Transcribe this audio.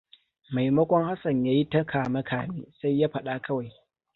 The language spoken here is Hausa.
Maimakon Hassan ya yi ta kame-kame sai ya faɗa kawai.